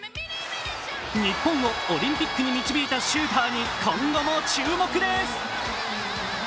日本をオリンピックに導いたシューターに今後も注目です。